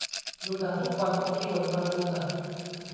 ดูหนังทุกวัน ที่ชวนมาดูหนัง